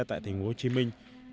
tại thành phố hồ chí minh